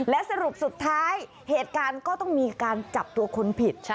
และสรุปสุดท้ายเหตุการณ์ก็ต้องมีการจับตัวคนผิด